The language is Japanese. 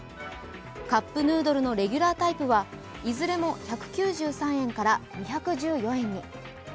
カップヌードルのレギュラータイプはいずれも１９３円から２１４円に。